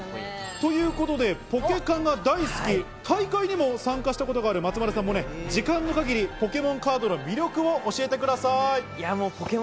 ということで、ポケカが大好き、大会も参加したことがある松丸さん、時間の限りポケモンカードの魅力を教えてください。